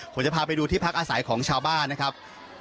ผมจะพาไปดูที่พักอาศัยของชาวบ้านนะครับ